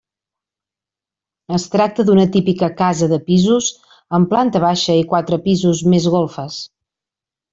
Es tracta d'una típica casa de pisos, amb planta baixa i quatre pisos més golfes.